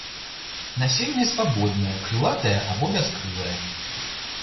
Насенне свабоднае, крылатае або бяскрылае.